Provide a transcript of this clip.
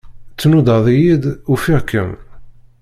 Tnudaḍ-iyi-d, ufiɣ-kem.